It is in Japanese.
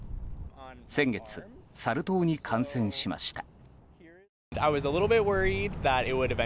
先月、サル痘に感染しました。